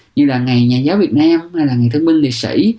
như là ngày nhà giáo việt nam ngày thương minh liệt sĩ